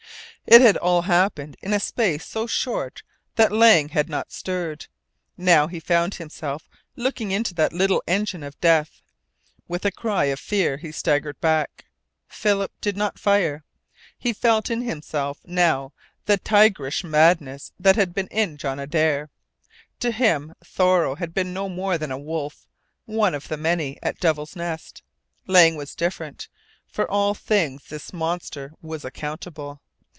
It had all happened in a space so short that Lang had not stirred. Now he found himself looking into that little engine of death. With a cry of fear he staggered back. Philip did not fire. He felt in himself now the tigerish madness that had been in John Adare. To him Thoreau had been no more than a wolf, one of the many at Devil's Nest. Lang was different. For all things this monster was accountable.